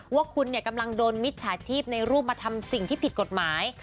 ว่าคุณกำลังโดนมิจฉาชีพในรูปมาทำสิ่งที่ผิดกฎหมาย